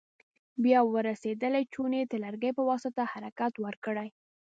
بیا ور رسېدلې چونې ته د لرګي په واسطه حرکت ورکړئ.